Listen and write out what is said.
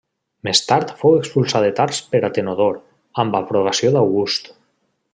Més tard fou expulsat de Tars per Atenodor, amb aprovació d'August.